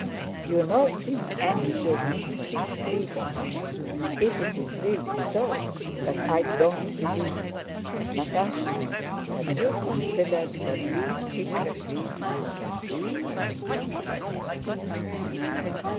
You know Prince Andrew gave you complete freedom—if it is really so; but I don't believe it! Natásha, have you considered what these secret reasons can be?"